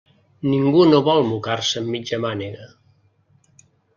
Ningú no vol mocar-se amb mitja mànega.